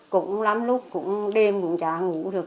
cũng lắm lúc cũng đêm cũng chả ngủ được